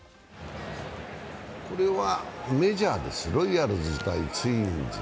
これはメジャーです、ロイヤルズ×ツインズ。